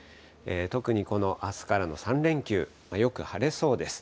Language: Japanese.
特にこのあすからの３連休、よく晴れそうです。